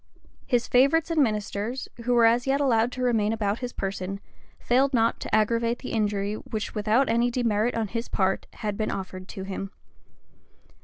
His favorites and ministers, who were as yet allowed to remain about his person, failed not to aggravate the injury which without any demerit on his part, had been offered to him.